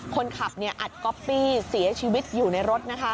คนขับอัดก๊อปปี้เสียชีวิตอยู่ในรถ